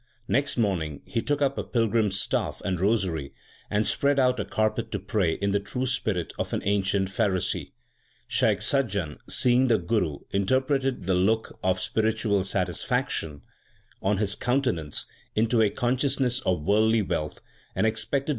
Next morning he took up a pilgrim s staff and rosary, and spread out a carpet to pray in the true spirit of an ancient Pharisee. Shaikh Sajjan, seeing the Guru, interpreted the look of spiritual satisfaction on his countenance into a consciousness of worldly wealth, and expected much profit from such a wind fall.